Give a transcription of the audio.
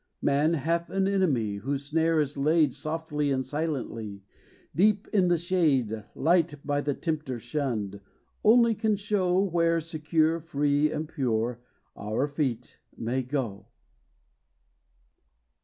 Man hath an enemy, Whose snare is laid Softly and silently, Deep in the shade. Light, by the tempter shunned, Only can show Where, secure, free, and pure, Our feet may go.